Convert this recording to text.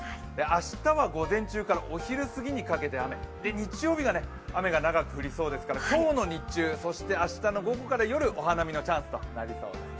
明日は午前中からお昼すぎにかけて雨日曜日が雨が長く降りそうですから、今日の日中そして明日の午後から夜お花見のチャンスとなりそうです。